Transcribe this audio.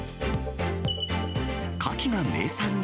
カキが名産に？